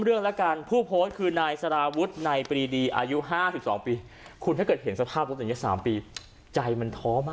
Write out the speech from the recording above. มันขับไม่ได้อ่ะดูแน่อาจจะโดด